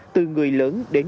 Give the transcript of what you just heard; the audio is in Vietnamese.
từ người lớn đến người lớn